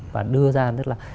và đưa ra tức là